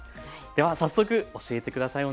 では早速教えて下さい。